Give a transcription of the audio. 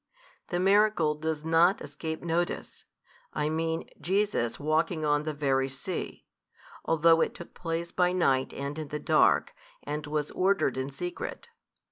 The miracle does not escape notice, I mean Jesus walking on. the very sea, although it took place by night and in the dark, and was ordered in secret.